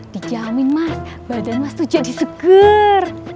dijamin mas badan mas tuh jadi seger